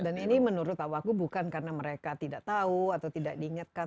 dan ini menurut aku bukan karena mereka tidak tahu atau tidak diingatkan